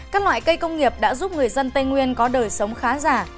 các loại cây công nghiệp đã giúp người dân tây nguyên có đời sống khá giả